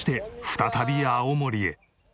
再び青森へ。